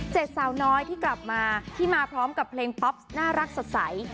สาวน้อยที่กลับมาที่มาพร้อมกับเพลงป๊อปน่ารักสดใส